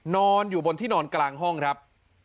นอนอยู่บนที่นอนกลางห้องครับ